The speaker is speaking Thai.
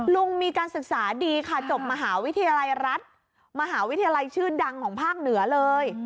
ลุงมีการศึกษาดีค่ะจบมหาวิทยาลัยรัฐมหาวิทยาลัยชื่อดังของภาคเหนือเลย